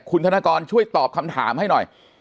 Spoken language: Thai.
คุณธนกรช่วยตอบคำถามให้หน่อย